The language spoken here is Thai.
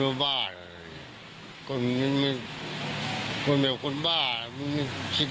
ครับคนต่างคนต่างบ้านมามาส่องเขาอย่างเงี้ยก็ไม่ถูกหรอก